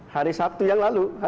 hari sabtu yang lalu